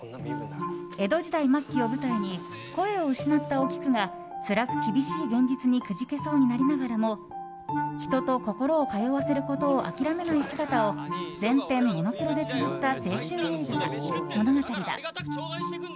江戸時代末期を舞台に声を失ったおきくがつらく厳しい現実にくじけそうになりながらも人と心を通わせることを諦めない姿を全編モノクロでつづった青春物語だ。